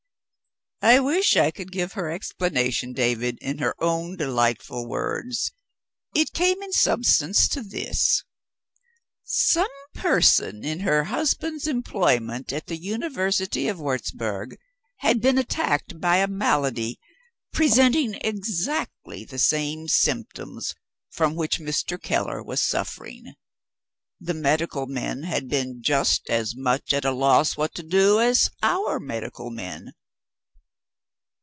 I wish I could give her explanation, David, in her own delightful words. It came in substance to this. Some person in her husband's employment at the University of Wurzburg had been attacked by a malady presenting exactly the same symptoms from which Mr. Keller was suffering. The medical men had been just as much at a loss what to do as our medical men.